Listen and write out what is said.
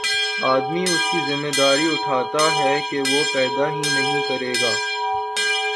آدمی اس کی ذمہ داری اٹھاتا ہے کہ وہ پیدا ہی نہیں کرے گا